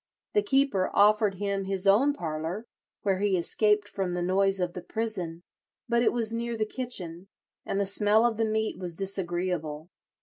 The keeper offered him his own parlour, where he escaped from the noise of the prison; but it was near the kitchen, and the smell of the meat was disagreeable.